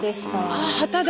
あっ旗だ。